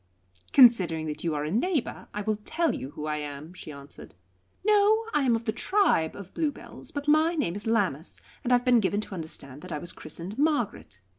"Considering that you are a neighbour, I will tell you who I am," she answered. "No; I am of the tribe of Bluebells, but my name is Lammas, and I have been given to understand that I was christened Margaret.